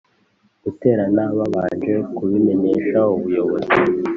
guterana babanje kubimenyesha ubuyobozi